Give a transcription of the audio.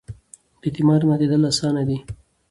د اعتماد ماتېدل اسانه دي